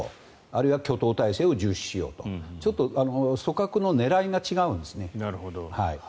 あとは挙党体制を重視しようとちょっと組閣の狙いが違うんですね。